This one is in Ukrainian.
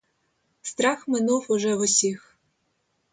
Страх минув уже в усіх.